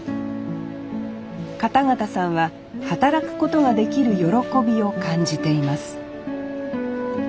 片方さんは働くことができる喜びを感じています